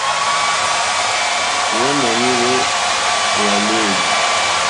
Hwéwónì hwé hwàlêlì.